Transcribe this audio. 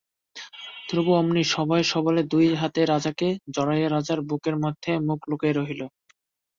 ধ্রুব অমনি সভয়ে সবলে দুই হাতে রাজাকে জড়াইয়া রাজার বুকের মধ্যে মুখ লুকাইয়া রহিল।